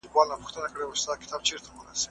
ستورو انفجارونه کلونه وړاندې پېښ شوي وي.